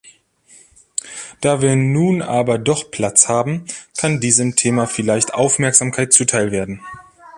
Da wir nun aber doch Platz haben, kann diesem Thema vielleicht Aufmerksamkeit zuteil werden.